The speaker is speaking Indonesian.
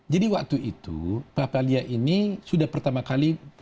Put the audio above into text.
jadi waktu itu papalia ini sudah pertama kali